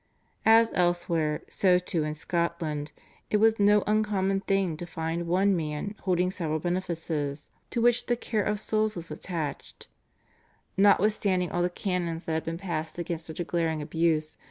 As elsewhere, so too in Scotland, it was no uncommon thing to find one man holding several benefices to which the care of souls was attached, notwithstanding all the canons that had been passed against such a glaring abuse.